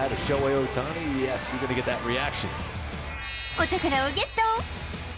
お宝をゲット！